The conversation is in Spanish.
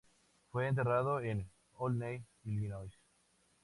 Fue enterrado en Olney, Illinois.